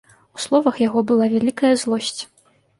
У словах яго была вялікая злосць.